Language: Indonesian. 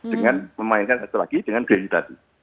dengan memainkan satu lagi dengan bensin tadi